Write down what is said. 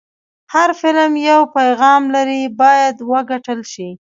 هر فلم یو پیغام لري، باید وکتل شي.